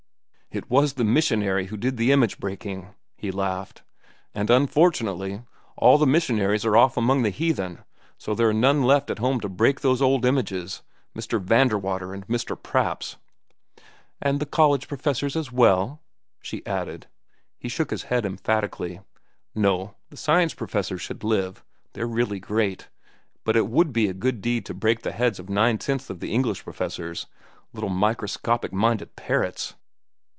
"It was the missionary who did the image breaking," he laughed. "And unfortunately, all the missionaries are off among the heathen, so there are none left at home to break those old images, Mr. Vanderwater and Mr. Praps." "And the college professors, as well," she added. He shook his head emphatically. "No; the science professors should live. They're really great. But it would be a good deed to break the heads of nine tenths of the English professors—little, microscopic minded parrots!"